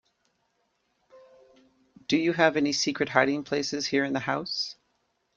Do you have any secret hiding place here in the house?